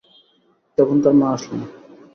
তখন তাঁর মা আসলেন।